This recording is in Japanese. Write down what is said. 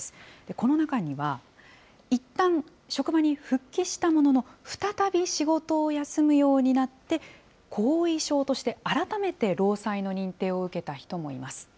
この中には、いったん職場に復帰したものの、再び仕事を休むようになって、後遺症として改めて労災の認定を受けた人もいます。